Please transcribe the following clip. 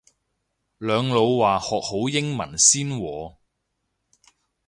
兩老話學好英文先喎